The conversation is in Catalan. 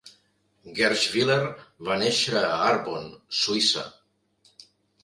Gerschwiler va néixer a Arbon, Suïssa.